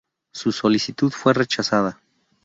Su solicitud fue rechazada.